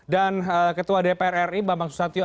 dan ketua dpr ri bambang susatyo